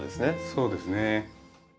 そうですね。